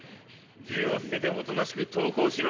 銃を捨てておとなしく投降しろ。